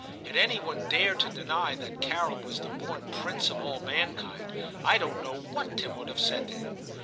Had any one dared to deny that Carol was the born prince of all mankind, I don*t know Ill TIM 49 what Tim would have said to him.